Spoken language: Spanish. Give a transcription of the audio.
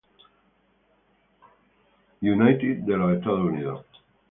United de Estados Unidos.